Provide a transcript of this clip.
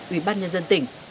ủy ban nhân dân tỉnh